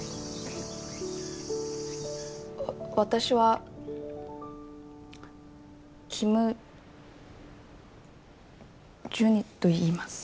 私はキム・ジュニといいます。